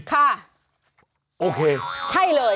โอเคตามนั้นใช่เลย